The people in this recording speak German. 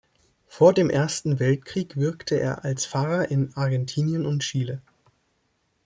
Vor dem Ersten Weltkrieg wirkte er als Pfarrer in Argentinien und Chile.